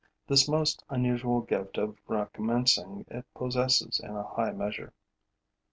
This most unusual gift of recommencing it possesses in a high measure.